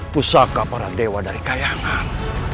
pusaka para dewa dari kayangan